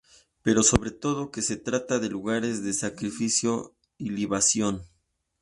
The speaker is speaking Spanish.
Pero sobre todo que se trata de lugares de sacrificio y libación.